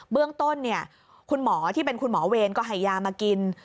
เบื้องต้นคุณหมอที่เป็นคุณหมอเวรก็ให้ยามากิน